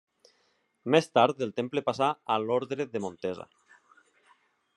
Més tard del Temple passa a l’Orde de Montesa.